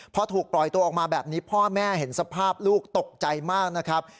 พอถูกปล่อยตัวออกมาแบบนี้พ่อแม่เห็นสภาพลูกตกใจมากนะครับ